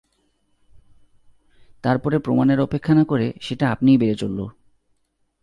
তার পরে প্রমাণের অপেক্ষা না করে সেটা আপনিই বেড়ে চলল।